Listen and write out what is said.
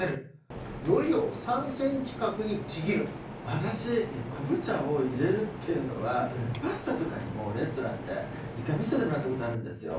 私昆布茶を入れるっていうのはパスタとかにもレストランで１回見せてもらったことあるんですよ。